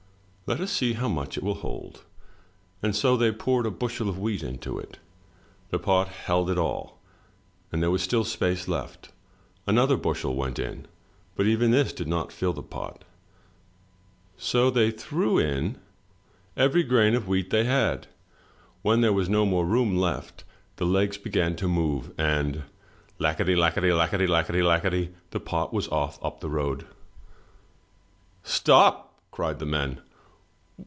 "Let us see how much it will hold!" And so they poured a bushel of wheat into it. The pot held it all, and there was still space left. Another bushel went in, but even this did not fill the pot. So they threw in 71 MY BOOK HOUSE every grain of wheat they had. When there was no more left, the legs began to move, and lackady, lackady, lackady, lackady, the pot was off up the road. '* Stop !'' cried the men.